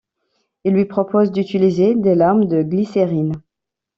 Il lui propose d'utiliser des larmes de glycérine.